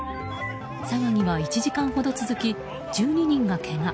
騒ぎは１時間ほど続き１２人がけが。